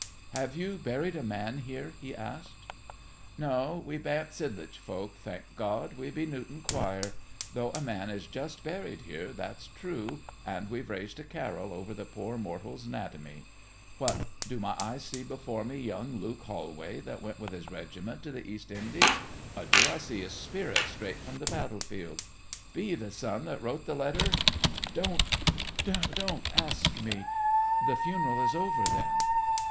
'Have you buried a man here?' he asked. 'No. We bain't Sidlinch folk, thank God; we be Newton choir. Though a man is just buried here, that's true; and we've raised a carrel over the poor mortal's natomy. What do my eyes see before me young Luke Holway, that went wi' his regiment to the East Indies, or do I see his spirit straight from the battlefield? Be you the son that wrote the letter ' 'Don't don't ask me. The funeral is over, then?'